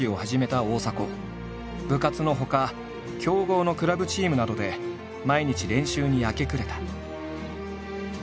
部活のほか強豪のクラブチームなどで毎日練習に明け暮れた。